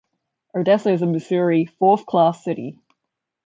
Odessa is a Missouri "Fourth Class" city.